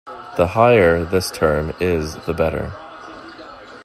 The higher this term is the better.